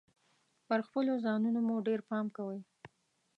پر خپلو ځانونو مو ډیر پام کوﺉ .